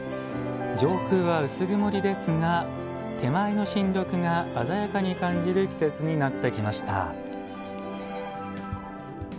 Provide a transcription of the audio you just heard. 上空は薄曇りですが手前の新緑が鮮やかに感じる季節になってきました。